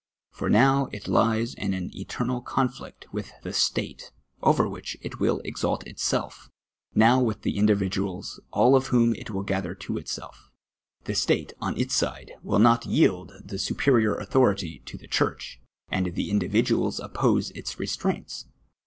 For now it lies in an eternal conflict Mith the state, over which it will exalt itself; now M'ith the individuals, all of whom it will gather to itself. The state, on its side, will not yield the supe rior authority to the church, and the individuals oppose its restraints.